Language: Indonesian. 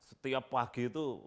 setiap pagi itu